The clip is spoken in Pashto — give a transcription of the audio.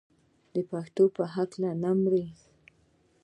پښتو به هیڅکله نه مري.